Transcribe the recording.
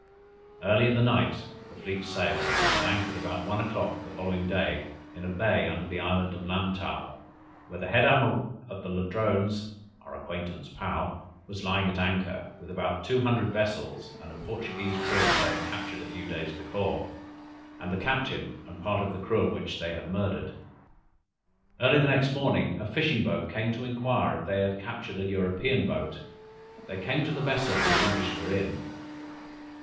Early in the night the fleet sailed, and anchored about one o'clock the following day in a bay under the island of Lantow, where the head admiral of Ladrones (our acquaintance Paou) was lying at anchor, with about two hundred vessels and a Portuguese brig they had captured a few days before, and the captain and part of the crew of which they had murdered. Early the next morning, a fishing boat came to inquire if they had captured an European boat; they came to the vessel the English were in.